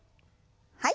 はい。